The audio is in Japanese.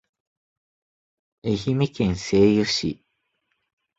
愛媛県西予市